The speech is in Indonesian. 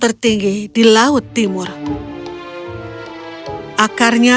tertinggi di laut timur akarnya